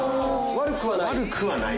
悪くはない？